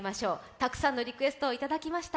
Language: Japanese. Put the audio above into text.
たくさんのリクエストをいただきました。